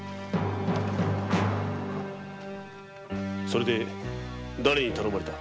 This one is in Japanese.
それでだれに頼まれた？